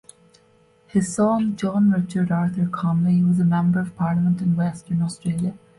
His son, John Richard Arthur Conolly, was a member of parliament in Western Australia.